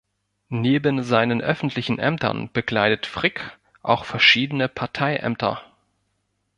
Neben seinen öffentlichen Ämtern bekleidete Frick auch verschiedene Parteiämter.